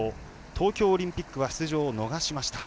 東京オリンピックは出場を逃しました。